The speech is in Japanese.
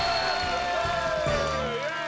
イエーイ！